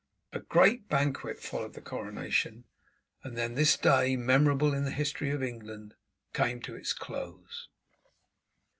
A great banquet followed the coronation, and then this day memorable in the history of England came to its close.